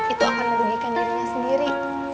itu akan merugikan dirinya sendiri